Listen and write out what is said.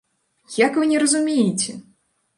Як вы не разумееце?!